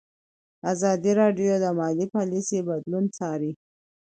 ازادي راډیو د مالي پالیسي بدلونونه څارلي.